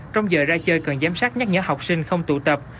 trong giờ ra chơi cần giám sát nhắc nhở học sinh không tụ tập